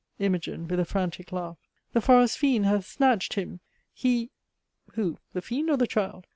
IMOG. (with a frantic laugh) The forest fiend hath snatched him He (who? the fiend or the child?)